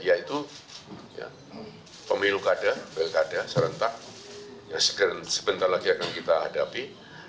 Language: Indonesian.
yaitu pemilu kada pilkada serentak yang sebentar lagi akan kita hadapi